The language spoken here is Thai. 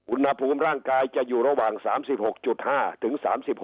อุณหภูมิร่างกายจะอยู่ระหว่าง๓๖๕ถึง๓๖